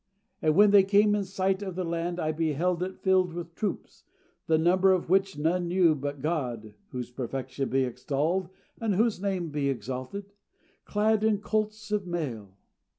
And when they came in sight of the land, I beheld it filled with troops, the number of which none knew but God (whose perfection be extolled, and whose name be exalted!) clad in coats of mail.